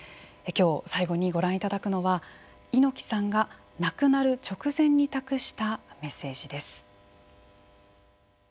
最後にご覧いただくのは猪木さんが亡くなる直前に託したメッセージです。